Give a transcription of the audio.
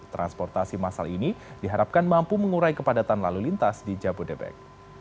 transportasi masal ini diharapkan mampu mengurai kepadatan lalu lintas di jabodebek